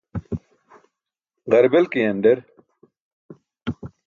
Ġarbel ke yanḍar